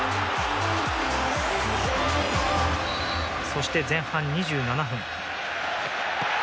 そして前半２７分。